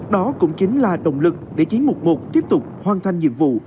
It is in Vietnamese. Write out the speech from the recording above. đó cũng chính là động lực để chiến mục một tiếp tục hoàn thành nhiệm vụ